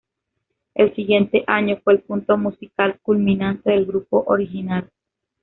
El siguiente año fue el punto musical culminante del grupo original.